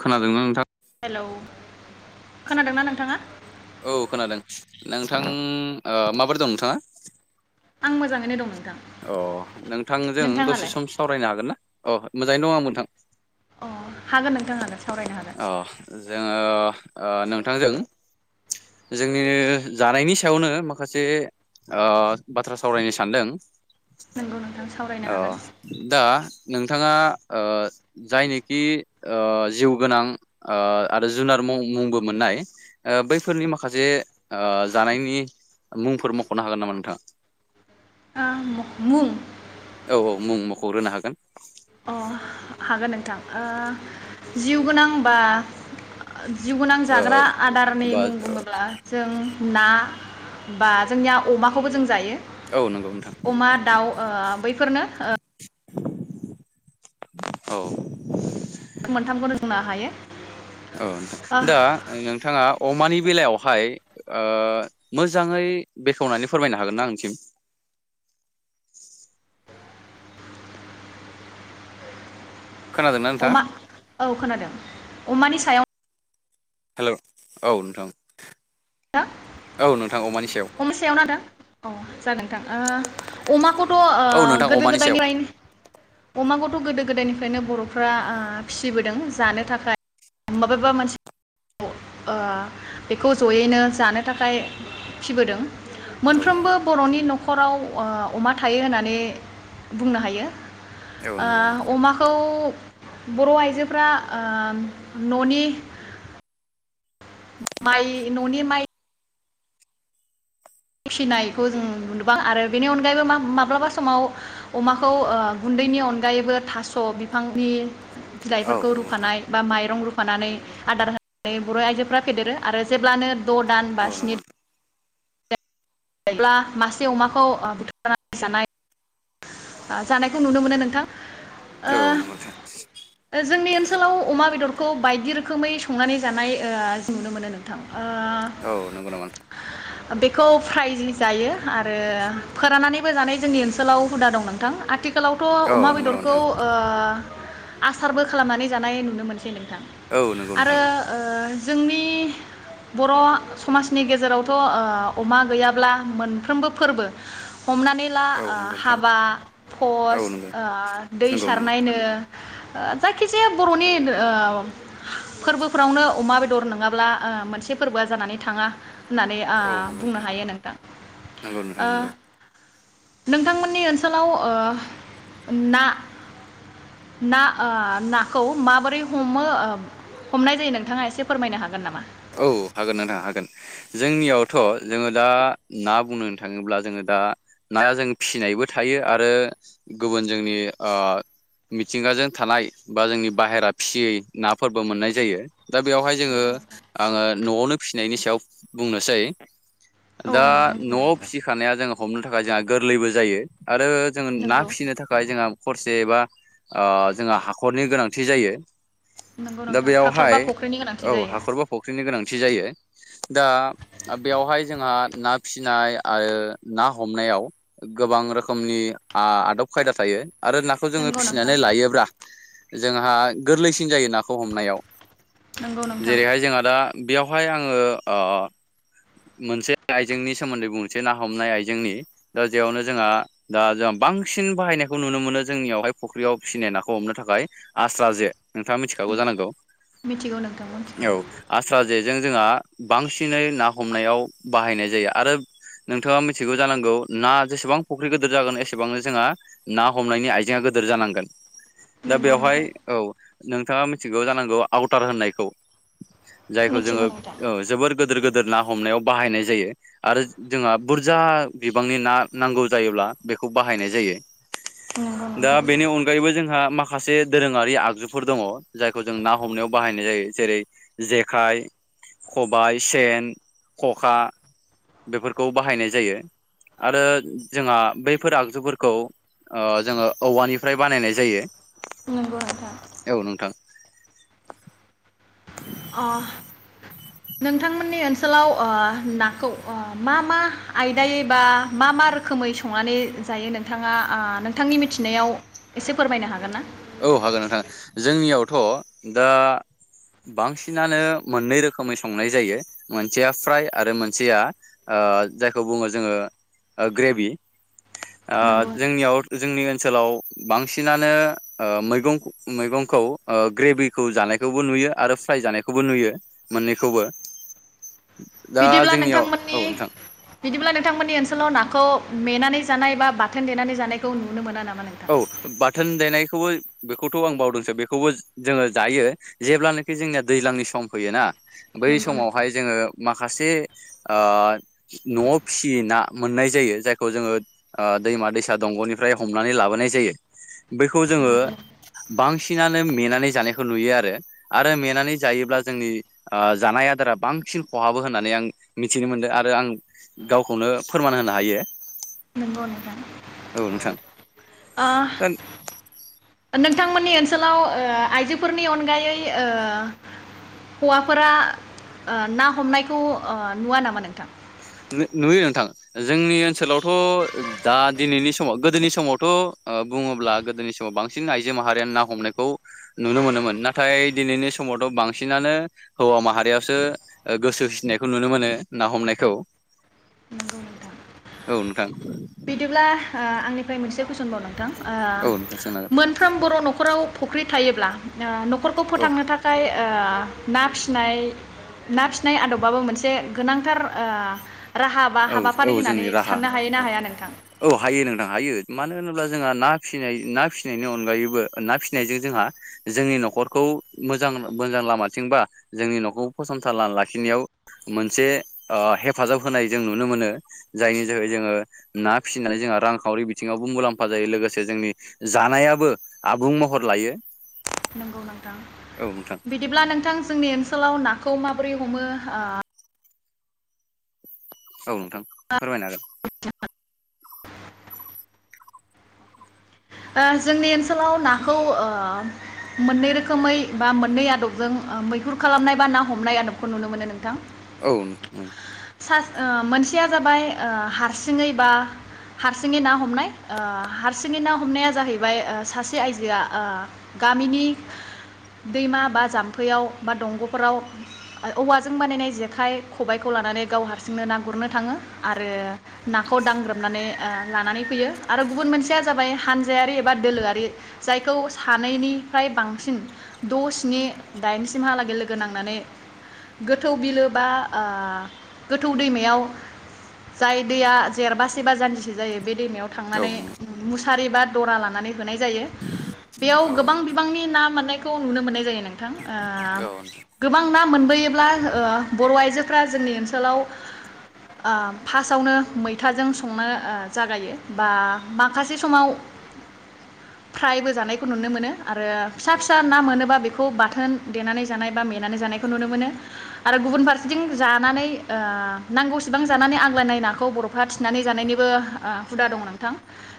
खोनादोंना नोंथां हेलौ खोनादोंना नोंथाङा? औ खोनादों नोंथां ओ माबोरै दं नोंथाङा आं मोजाङैनो दंमोन अ नोंथांजों दसे सम सावरायनो हागोन ना? अ मोजाङै दङ आ नोंथां अ हागोन नोंथां हागोन सावरायनो हागोन अ जोङो ओ नोंथांजों जोंनि जानायनि सायावनो माखासे ओ बाथ्रा सावरायनो सानदों नंगौ नोंथां सावरायनो अ हागोन दा नों नोंथाङा ओ जायनिखि ओ जिउ गोनां ओ आरो जुनार मुंबो मोननाय बैफोरनि माखासे जानायनि मुंफोर मखनो हागोन नामा नोंथाङा [inaudible] मुं औ औ मुं मखग्रोनो हागोन अ हागोन नोंथां ओ जिउ गोनांबा जिउ गोनां ओ जाग्रा आदारनि बा मुं बुङोब्ला जों ना बा जोंनिया अमाखौबो जों जायो औ नंगौ नोंथां अमा दाउ ओ बैफोरनो औ मोनथामखौ बुंनो हायो औ ओ नोथां दा नोंथाङा अमानि बेलायावहाय ओ मोजाङै बेखेवनानै फोरमायनो हागोनना आंनिसिम खोनादों ना नोंथाङा? अमा औ हेलौ औ नोंथां। [unintelligible] औ नों अमानि सायाव आदा। अ जागोन। ओ अमाखौथ' ओ औ नोंथां गोदो अमानि गोदाय सायाव [unintelligible] अमा थ' गोदो गोदायनिफ्रायनो बर'फ्रा आ फिसिबोदों जानो थाखाय। माबेबा मोनसे ओ बेखौ ज'यैनो जानो थाखाय फिसिबोदों। औ नंगौ मोनफ्रोमबो बर'नि न' न'खराव ओ अमा थायो होननानै बुंनो हायो। औ नंगौ नोंथां ओ अमाखौ बर' आइजोफोरा ओम न'नि माइ न'नि माइ फिसिनायखौ जों नुबाय आरो बेनि अनगायैबो मा माब्लाबा समाव अमाखौ ओ गुन्दैनि अनगायैबो थास' बिफांनि औ बिलाइफोरखौ नंगौ नोंथां रुफानाय बा माइरं रु फानानै आदार होनानै बर' आइजोफ्रा फेदेरो आरो जेब्लानो द' दान औ बा नंगौ स्नि नोंथां अब्ला मासे अमाखौ ओ बुथारनानै जानाय आ जानायखौ नुनो मोनो नोंथां। औ नंगौ नोंथां ओ जोंनि ओनसोलाव अमा बेदर खौ बायदि रोखोमै संनानै जानाय ओ जों नुनो मोनो नोंथां। ओ औ नंगौ नामा नोंथां बेखौ फ्राय जों जायो आरो फोराननानैबो जानाय जोंनि ओनसो गोलाव हुदा दं नोंथां आथि खालावथ' औ अमा नंगौ नामा बेदरखौ नोंथां ओ आसारबो खालामनानै जानाय नुनो मोनसै नों थां औ नंगौ नोंथां आरो ओ जोंनि बर' समाजनि गेजेरावथ' ओ अमा गैयाब्ला मोनफ्रोमबो फोरबो हमनानै ला औ ओ नंगौ नोंथां हाबा औ भस नंगौ ओ दै नंगौ नंगौ सारनायनो ओ जायखिजाया बर'नि ओ फोरबोफोरावनो अमा बेदर नङाब्ला ओ मोनसे फोरबोआ जानानै थाङा। होननानै ओ औ नंगौ बुंनो हायो नोंथां नंगौ नोंथां ओ। नंगौ नोंथांमोननि ओनसोलाव ओ ना ना ओ नाखौ माबोरै हमो ओ हमनाय जायो नोंथाङा एसे फोरमायनो हागोन नामा? औ हागोन नोंथां हागोन जोंनियावथ' जोङो दा ना बुंनो थाङोब्ला जोङो दा नाया जों फिसिनायबो थायो आरो गुबुन जोंनि ओ मिथिंगाजों थानाय बा जोंनि बाहेरा फिसियै नाफोरबो मोननाय जायो। दा बेयावहाय जोङो नंगौ नोंथां न'आवनो फिसिनायनि सायाव बुंनोसै। औ दा नोंथां बुंनो न'आव हागोन फिसिखानाया जोङो हमनो थाखाय जाहा गोरलैबो जायो। आरो जोङो ना नंगौ फिसिनो थाखाय जोंहा खरसेबा जोंहा हाखरनि गोनांथि जायो। नंगौ दा नोंथां हाखर बेयावहाय बा फख्रिनि औ गोनांथि जायो। हाखर बा फुख्रिनि गोनांथि जायो दा बेवहाय जोंहा ना फिसिनाय आरो ना हमनायाव गोबां रोखोमनि आदब खायदा थायो। आरो नाखौ जोङो नंगौ नोंथां फिसिनानै लायोब्ला जोंहा गोरलैसिन जायो ना खौ हमनायाव नंगौ नोंथां जेरैहाय जोंहा दा बेयावहाय आङो ओ मोनसे आइजेंनि सोमोन्दै बुंनोसै ना हमनाय आइजेंनि दा जेयावनो जोंहा दा जोंहा बांसिन बाहायनायखौ नुनो मोनो जोंनियावहाय फुख्रियाव फिसिनाय नाखौ हमनो थाखाय आस्रा जे। नोंथाङा मिथिखागौ जानांगौ, मिथिगौ नोंथां मिथिगौ औ। [unintelligible] जेजों जोंहा बांसिनै ना हमनायाव बाहायनाय जायो आरो नोंथाङा मिथिगौ जानांगौ ना जेसेबां फुख्रि गोदोर जागोन एसेबांनो जोंहा ना हमनायनि आइजेंआ गोदोर जानांगोन। दा नंगौ बेवहाय नोंथां औ। नोंथाङा मिथिगौ जानांगौ आउटार होननायखौ। जायखौ जोङो मिथिगौ नोंथां ओ जोबोर गोदोर-गोदोर ना हमनायाव बाहायनाय जायो आरो जोंहा बुरजा बिबांनि ना नांगौ जायोब्ला बेखौ बाहायनाय जायो। नंगौ दा नोंथां बेनि अनगायैबो जोंहा माख खासे दोरोङारि आगजुफोर दङ जायखौ जों ना हमनायाव बाहायनाय जायो जेरै जेक खाइ खबाय सेन खखा बेफोरखौ बाहायनाय जायो आरो जोंहा बैफोर आगजुफोरखौ ओ जोङो औवानिफ्राय बानायनाय जायो। नंगौ नोंथां। औ नोंथां अ। नोंथांमोननि ओनसोलाव नाखौ मा-मा आयदायै बा मा-मा रोखोमै संनानै जायो नोंथाङा आ नोंथांनि मिथिनायाव एसे फोरमायनो हागोन ना? औ हागोन नोंथां जोंनियावथ' दा बांसिनानो मोननै रोखोमै संनाय जायो मोनसेया फ्राय आरो मोनसेया जायखौ बुङो जोङो ग्रेभि। ओ नंगौ जोंनियाव जोंनि ओनसोलाव बांसिनानो मैगं-मैगंखौ ग्रेभिखौ जानायखौबो नुयो आरो फ्राय जानायखौबो नुयो मोननैखौबो। दा बिदिब्ला जोंनियाव औ नोंथांमोननि नोंथां बिदिब्ला नोंथांमोननि ओनस ओनसोलाव नाखौ मेनानै जानाय बा बाथोन देनानै जानायखौ नुनो मोना नामा? नोंथां? औ बाथोन देनाय खौबो बेखौथ' आं बावदोंसो बेखौबो जोङो जायो जेब्लानोखि जोंनिया दैज्लांनि सम फैयोना बै नंगौ नोंथां। समावहाय जोङो माखासे ओ न'आव फिसियै ना मोननाय जायो जायखौ जोङो दैमा दैसा दंग'निफ्राय हमनानै लाबोन नाय जायो बैखौ जोङो बांसिनानो मेनानै जानायखौ नुयो आरो आरो मेनानै जायोब्ला जोंनि ओ जानाय आदारा बांसिन खहाबो होननानै आं मिथिनो मोन्दों आरो आं गावखौनो फोरमान होनो हायो। नंगौ नोंथां औ नोंथां आ नोंथांमोननि ओनसोलाव आइजोफोरनि अनगायै हौवाफोरा ना हमनायखौ नुवा नामा नोंथां नुयो नोंथां जोंनि ओनसोलावथ' दा दिनैनि समाव गोदोनि समावथ' बुङोब्ला गोदोनि समाव बांसिन आइजो माहारियानो ना हमनायखौ नुनो मोनोमोन नाथाय दिनैनि समावथ' बांसिनानो हौवा माहारियासो गोसो होसिनायखौ नुनो मोनो ना हमनायखौ औ नंगौ नोंथां औ नोंथां बिदिब्ला आंनिफ्राय मोनसे कुइसनबाव नोंथां औ नोंथां सोंनांगोन मोनफ्रोम बर' न'खराव फुख्रि थायोब्ला न'खरखौ औ फोथांनो थाखाय ना फिसिनाय ना फिसिनाय आदबाबो मोनसे गोनांथार राहा बा हाबाफारि औ औ होननानै जोंनि राहा साननो हायो औ ना हाया नों औ हायो नोंथां हायो मानो होनोब्ला जोंहा ना फिनाय ना फिसिनायनि अनगायैबो ना फिसिनायजों जोंहा जोंनि न'खरखौ मोजां मोजां लामाथिंबा जोंनि न'खरखौ फसंथान लाखिनायाव मोनसे हेफाजाब होनाय जों नुनो मोनो जायनि जायगायाव जोङो ना फिसिनानै जोङो रां खावरिबिथिंआवबो जोंमुलामफा जायो लोगोसे जोंनिजानायाबो आबुं महरलायो नंगौ नोंथां बिदिब्ला नोंथां जोंनि ओनसोलाव नाखौ मा माबोरै हमो औ नोंथां फोरमायनो हागोन [unintelligible] ओ जोंनि ओनसोलाव नाखौ ओ मोननै रोखोमै बा मोननै आदबजों मैहुर खालामनाय बा ना हमनाय आदबखौ नुनो मोनो नोंथां। औ सा मोनसेया जाबाय आ हारसिङै बा हारसिङै ना हमनाय आ हारसिङै ना हमनाया जाहैबाय आ सासे आइजोआ गामिनि दैमा बा जाम्फैयाव बा दंग'फोराव औवाजों बानायनाय जेखाइ खबाइखौ लानानै गाव हारसिंनो ना गुरनो थाङो आरो नाखौ दांग्रोमनानै लानानै फैयो आरो गुबुन मोनसेया जाबाय हानजायारि एबा दोलोआारि जायखौ सानैनिफ्राय बांसिन द' स्नि दाइनसिमहालागै लोगो नांनानै गोथौ बिलो बा गोथौ दैमायाव जाय दैया जेरबसे बा जानजिसे जायो। बे दैमायाव औ थांनानै नोंथां मुस सारि बा दरा लानानै बेयाव औ गोबां बिबांनि ना माने खौ नुनो मोननाय जायो। नोंथां ओ गोबां ना मोनबोयोब्ला ओ बर' आइजोफोरा जोंनि ओनसोलाव ओ फार्आवनो मैथाजों संनो ओ जागायो बा मासे सासे समाव फ्रायबो जानायखौ नुनो मोनो आरो फिसा फिसा ना मोनोबा बेखौ बाथोन देनानै जानाय बा मेनानै जानायखौ नुनो मोनो आरो गुबुन फारसेथिं जानानै ओ नांगौसेबां जानानै आग्लायनाय नाखौ बर'फ्रा थिनानै जानायनिबो हुदा दङ नोंथां।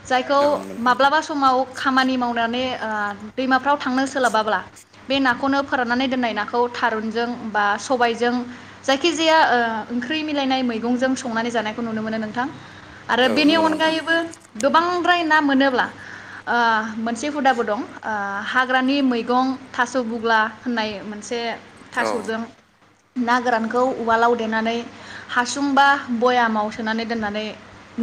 जायखौ नंगौ माब्लाबा समाव खामानि मावनानै ओ दैमाफ्राव थांनो सोलाबाब्ला बे नाखौनो फोराननानै दोननाय नाखौ थारुनजों बा सबायजों जायखिजाया ओंख्रि ओ मिलायनाय मैगंजों संनानै जानायखौ नुनो मोनो नोंथां आरो औ बेनि नंगौ औ नोंथां औ नंगौ नोंथां अनगायैबो बांद्राय ना मोनोब्ला ओ मोनसे हुदाबो दं ओ हाग्रानि मैगं थास' बुग्ला होननाय मोनसे औ नंगौ नोंथां औ थास'जों ना गोरानखौ उवालाव देनानै हासुं बा भयामाव सोनानै दोननानै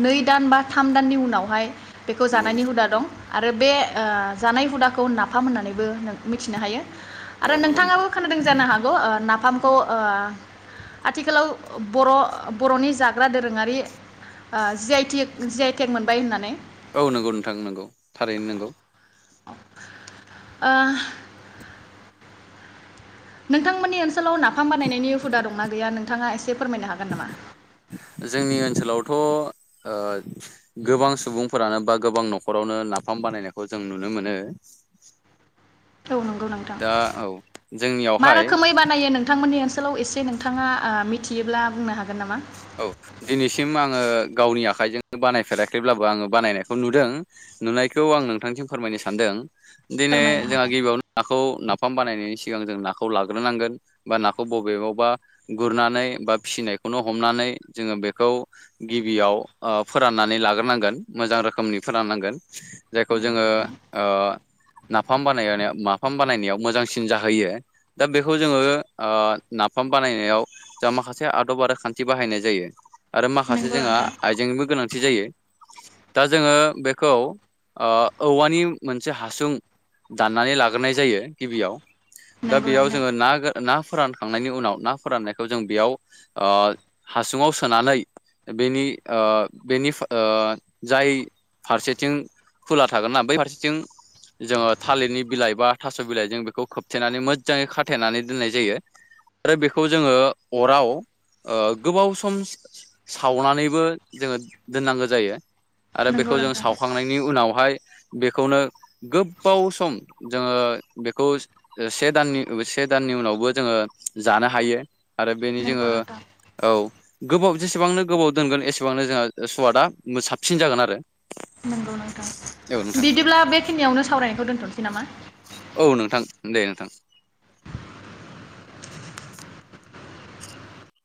नै दान बा थाम दाननि उनाव बेहाय बेखौ नंगौ जानायनि हुदा दं। आरो बे ओ जानाय हुदाखौ नाफाम होननानैबो नों मिथिनो हायो। नोंथां आरो औ नंगौ नोंथां नोंथाङाबो खोनादों जानो हागौ? नाफाम खौ ओ आथिखालाव बर' बर'नि जाग्रा दोरोङारि ओ जि आइ जि आइ टेक मोन बाय होननानै औ नंगौ नोंथां नंगौ थारैनो नोंगौ। ओ। नोंथांमोननि ओनसोलाव नाफाम बानायनायनि हुदा दंना गैया? नोंथाङा एसे बे फोरमायनो हागोन नामा? थ' ओ गोबां सुबुंफोरानो बा गोबां न'खरावनो नाफाम बानायनायखौ जों नुनो मोनो। औ नंगौ नोंथां दा औ मा जोंनियावहाय रोखोमै बानायो नोंथांमोननि आथिखालाव एसे नोंथाङा मिथियोब्ला बुंनो हागोन नामा? औ दिनैसिम आङो गावनि आखाइजों बानायफेराखैब्लाबो आङो बानायनायखौ नुदों, नुनायखौ आं नोंथांसिम फोरमायनो सानदों। दिनै फोरमायनो जोंहा हागोन गिबियावनो नाखौ ना नाफाम बानायनायनि सिगां जों नाखौ लाग्रोनांगोन, बा नाखौ बबेयावबा गुरनानै बा फिसिनायखौनो हमनानै जोङो बेखौ गिबियाव फोराननानै लाग्रोनांगोन मोजां रोखोमनि फोराननांगोन। जायखौ नंगौ जोङो नोंथां ओ। नाफाम बानायनाय नाफाम बानायनायाव मोजांसिन जाहैयो दा बेखौ जोङो नाफाम बानायनायाव जा माखासे आदब आरो खान्थि थि बाहायनाय जायो। आरो माखासे नंगौ जोंहा नोंथां आइजेंनिबो गोनांथि। जायो दा जोङो बेखौ औवानि मोनसे हासुं दाननानै लाग्रोनाय जायो गिबियाव दा नंगौ बेयाव नोंथां जोङो ना ना फोरानखांनायनि उनाव ना फोराननायखौ जों बेयाव ओ। हासुङाव सोनानै बेनि अ बेनि अ जाय फारसेथिं खुला थागोन ना बै फारसेथिं जोङो थालिरनि बिलाइ बा थास' बिलाइजों बेखौ खोबथेनानै मोजाङै खाथेनानै दोननाय जायो आरो बेखौ जोङो अराव अ गोबाव सम सावनानैबो जोङो दोननांगो जायो। आरो नंगौ बेखौ जों नोंथां सावखांनायनि उनाव बेवहाय बेखौनो गोबाव सम जोङो बेखौ से दाननि से दाननि उनावबो जोङो जानो हायो। आरो बेनि जोङो। नंगौ नोंथां औ गोबाव जेसेबांनो गोबाव दोनगोन एसेबांनो जोंहा सुवादा साबसिन जागोन आरो। नंगौ नोंथां बिदिब्ला बेखिनियावनो सावरायनायखौ दोनथ'सै नामा। औ नोंथां दे नोंथां।